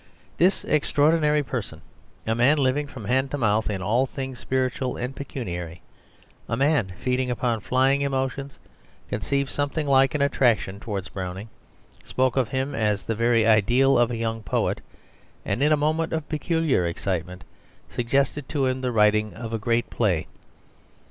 This extraordinary person, a man living from hand to mouth in all things spiritual and pecuniary, a man feeding upon flying emotions, conceived something like an attraction towards Browning, spoke of him as the very ideal of a young poet, and in a moment of peculiar excitement suggested to him the writing of a great play.